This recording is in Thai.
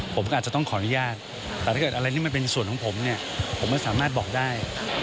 ผมก็อาจจะต้องขออนุญาตแต่ถ้าเกิดอะไรที่มันเป็นส่วนของผมเนี่ยผมไม่สามารถบอกได้